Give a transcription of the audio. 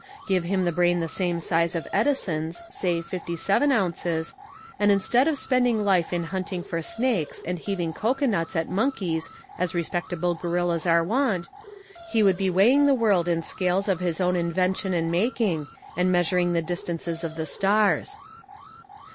Give him a brain the same size of Edison's, say fifty seven ounces, and instead of spending life in hunting for snakes and heaving cocoanuts at monkeys as respectable gorillas are wont, he would be weighing the world in scales of his own invention and making, and measuring the distances of the stars.